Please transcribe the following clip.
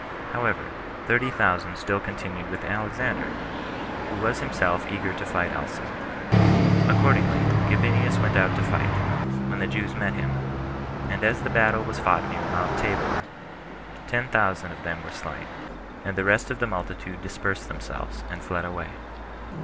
However, thirty thousand still continued with Alexander, who was himself eager to fight also; accordingly, Gabinius went out to fight, when the Jews met him; and as the battle was fought near Mount Tabor, ten thousand of them were slain, and the rest of the multitude dispersed themselves, and fled away.